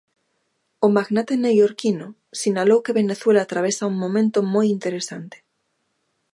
O magnate neoiorquino sinalou que Venezuela atravesa un momento "moi interesante".